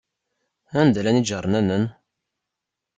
Anda llan iǧarnanen?